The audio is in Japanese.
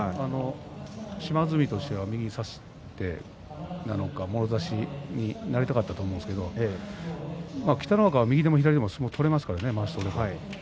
島津海としては右を差してからもろ差しになりたかったと思うんですが北の若は右でも左でも相撲を取れますからね。